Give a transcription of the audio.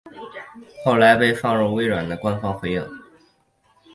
后来被放入微软的官方回应。